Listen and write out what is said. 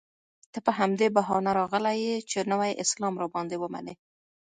ته په همدې بهانه راغلی یې چې نوی اسلام را باندې ومنې.